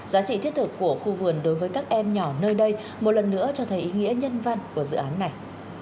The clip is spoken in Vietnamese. giá trị thiết thực của khu vườn đối với các em nhỏ nơi đây một lần nữa cho thấy ý nghĩa nhân văn của dự án này